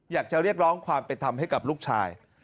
อยากจะเรียกร้องความเป็นธรรมให้กับลูกชาย